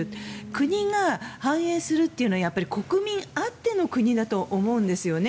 国が繁栄するというのはやっぱり国民あっての国だと思うんですね。